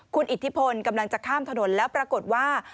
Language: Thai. คุณอิทธิพลกำลังจะข้ามถนนแล้วปรากฏว่า